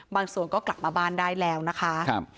บางส่วนก็กลับมาบ้านได้แล้วนะคะ